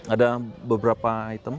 ada beberapa item